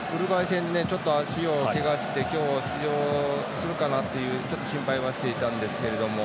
戦で足をけがして今日、出場するかなっていう心配はしていたんですけれども。